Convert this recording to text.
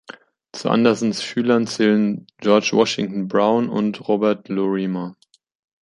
Zu Andersons Schülern zählen George Washington Browne und Robert Lorimer.